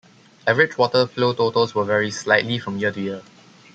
Average water flow totals will vary slightly from year to year.